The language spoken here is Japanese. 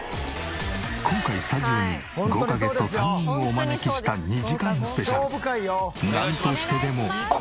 今回スタジオに豪華ゲスト３人をお招きした２時間スペシャル。